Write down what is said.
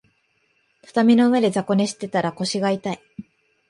畳の上で雑魚寝してたら腰が痛い